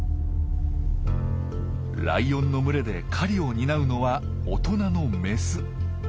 ライオンの群れで狩りを担うのは大人のメス。